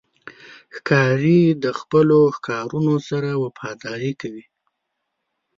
ښکاري د خپلو ښکارونو سره وفاداري کوي.